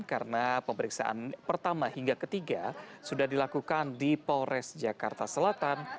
karena pemeriksaan pertama hingga ketiga sudah dilakukan di polres jakarta selatan